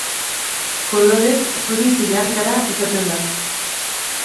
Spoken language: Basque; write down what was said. Kolorez zuri zilarkara izaten da.